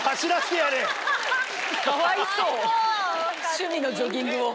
趣味のジョギングを。